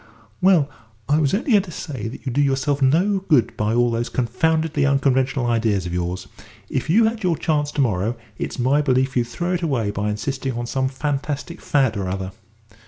"Well, I was only going to say that you do yourself no good by all those confoundedly unconventional ideas of yours. If you had your chance to morrow, it's my belief you'd throw it away by insisting on some fantastic fad or other."